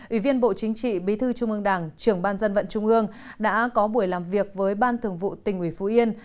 ủy viên bộ chính trị bí thư trung ương đảng trưởng ban dân vận trung ương đã có buổi làm việc với ban thường vụ tỉnh ủy phú yên